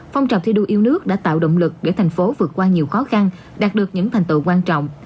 phong trào thi đua yêu nước đã tạo động lực để thành phố vượt qua nhiều khó khăn đạt được những thành tựu quan trọng